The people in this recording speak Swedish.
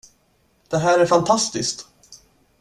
Det här är fantastiskt!